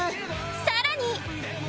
さらに